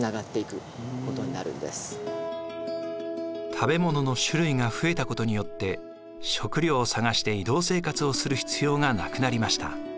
食べ物の種類が増えたことによって食料を探して移動生活をする必要がなくなりました。